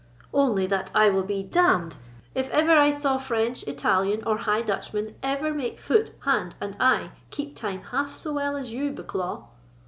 "Only that I will be d—d if ever I saw French, Italian, or High Dutchman ever make foot, hand, and eye keep time half so well as you, Bucklaw."